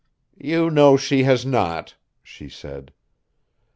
"You know she has not," she said.